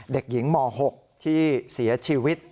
เด็กหญิงม๖ที่เสียชีวิต